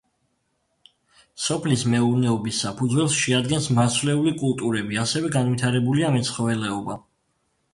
სოფლის მეურნეობის საფუძველს შეადგენს მარცვლეული კულტურები, ასევე განვითარებულია მეცხოველეობა.